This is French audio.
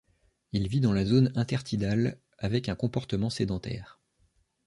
Il vit dans la zone intertidale avec un comportement sédentaire.